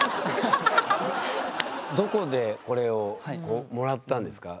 どこでこれをもらったんですか？